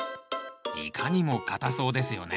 いかにも硬そうですよね。